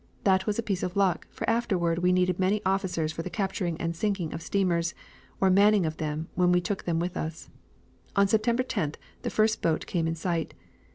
That was a piece of luck, for afterward we needed many officers for the capturing and sinking of steamers, or manning them when we took them with us. On September 10th, the first boat came in sight.